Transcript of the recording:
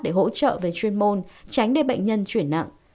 để hỗ trợ về chuyên môn tránh để bệnh nhân chuyển nặng